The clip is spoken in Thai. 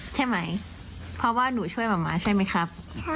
ใช่ไหมเพราะว่าหนูช่วยหมาใช่ไหมครับ